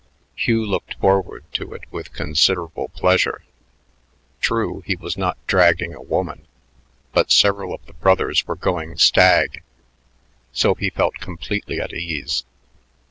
Hugh looked forward to it with considerable pleasure. True, he was not "dragging a woman," but several of the brothers were going "stag"; so he felt completely at ease.